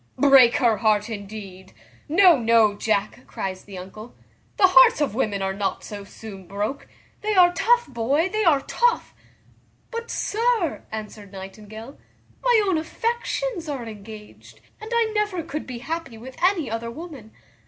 "Break her heart, indeed! no, no, Jack," cries the uncle, "the hearts of women are not so soon broke; they are tough, boy, they are tough." "But, sir," answered Nightingale, "my own affections are engaged, and I never could be happy with any other woman.